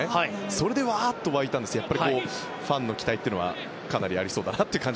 それでワーッと沸いたんですがやっぱりファンの期待というのはかなりありそうです。